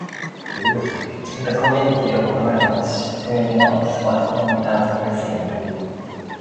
The community of Glenloch, to the north, was known as "Blue Shin".